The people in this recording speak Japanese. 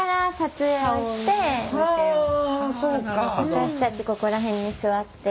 私たちここら辺に座って。